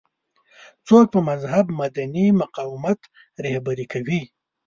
څوک به مهذب مدني مقاومت رهبري کوي.